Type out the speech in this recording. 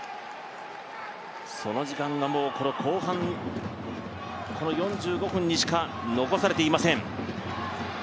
その時間がもう後半４５分にしか残されていません。